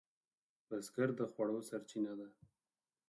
بزګر د خوړو سرچینه ده